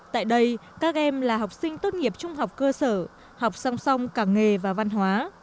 tại đây các em là học sinh tốt nghiệp trung học cơ sở học song song cả nghề và văn hóa